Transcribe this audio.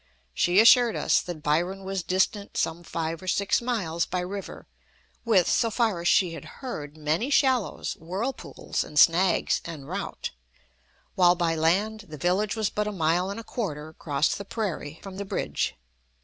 She assured us that Byron was distant some five or six miles by river, with, so far as she had heard, many shallows, whirlpools, and snags en route; while by land the village was but a mile and a quarter across the prairie, from the bridge.